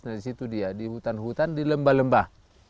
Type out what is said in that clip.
nah disitu dia di hutan hutan di lembah lembah